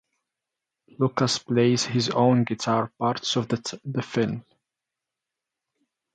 Lucas plays his own guitar parts for the film.